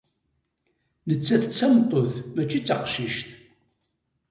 Nettat d tameṭṭut, mačči d taqcict.